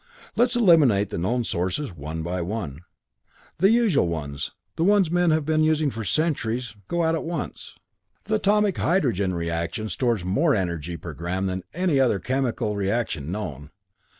"Let's eliminate the known sources one by one. The usual ones, the ones men have been using for centuries, go out at once. The atomic hydrogen reaction stores more energy per gram than any other chemical reaction known.